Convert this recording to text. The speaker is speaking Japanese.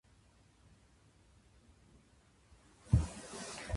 外に出ると虹が出ていた。